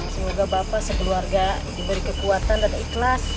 semoga bapak sekeluarga diberi kekuatan dan ikhlas